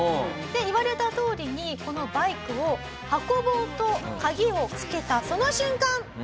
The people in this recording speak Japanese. で言われたとおりにこのバイクを運ぼうと鍵をつけたその瞬間。